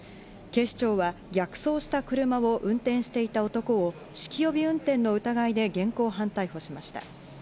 警視庁は逆走した車を運転していた男を酒気帯び運転の疑いで現行犯逮捕しました。